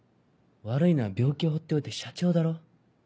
悪いのは病気を放っておいた社長だろ。